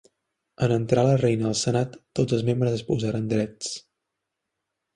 En entrar la reina al senat tots els membres es posaren drets.